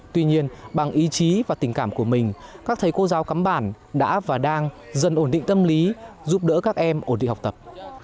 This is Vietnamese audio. tuy nhiên bằng ý chí và tình cảm của mình các thầy cô giáo cắm bản đã và đang dần ổn định tâm lý giúp đỡ các em ổn định học tập